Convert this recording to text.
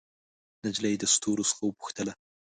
نجلۍ د ستورو څخه وپوښتله